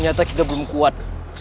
nyata kita belum kuat